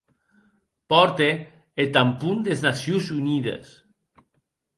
Pòrte eth tampon des Nacions Unides.